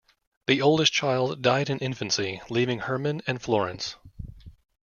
The oldest child died in infancy, leaving Herman and Florence.